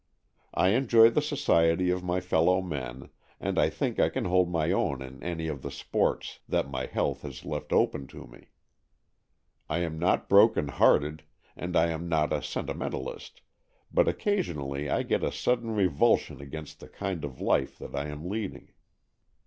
I enjoy the society of my fellow men, and I think I can hold my own in any of the sports that my health has left open to me. I am not broken hearted, and I am not a sentimentalist, but occasionally I get a sudden revulsion against the kind of life that I am leading.